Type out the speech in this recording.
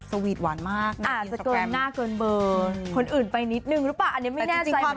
สวีทหวานมากนะอาจจะเกินหน้าเกินเบอร์คนอื่นไปนิดนึงหรือเปล่าอันนี้ไม่แน่ใจ